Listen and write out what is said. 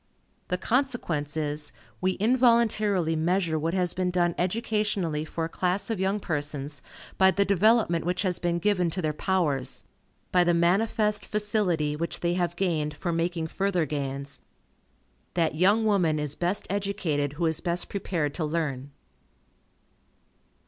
The consequence is, we involuntarily measure what has been done educationally for a class of young persons, by the development which has been given to their powers, by the manifest facility which they have gained for making further gains. That young woman is best educated who is best prepared to learn.